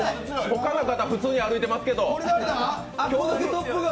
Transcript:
他の方普通に歩いてますけど。